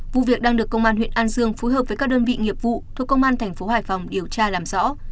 vụ việc đang được công an huyện an dương phối hợp với các đơn vị nghiệp vụ thuộc công an thành phố hải phòng điều tra làm rõ